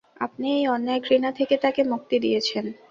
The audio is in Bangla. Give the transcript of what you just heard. আপনি এই অন্যায় ঘৃণা থেকে তাকে মুক্তি দিয়েছেন।